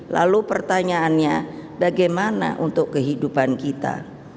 lalu pertanyaannya bagaimana untuk kehidupan kita